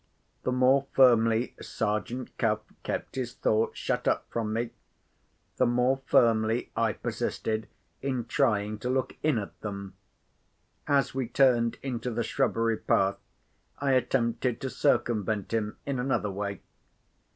The more firmly Sergeant Cuff kept his thoughts shut up from me, the more firmly I persisted in trying to look in at them. As we turned into the shrubbery path, I attempted to circumvent him in another way.